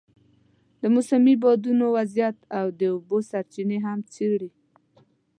د موسمي بادونو وضعیت او د اوبو سرچینې هم څېړي.